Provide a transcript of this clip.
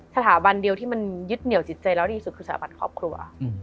สถาบันเดียวที่มันยึดเหนียวจิตใจเราดีสุดคือสถาบันครอบครัว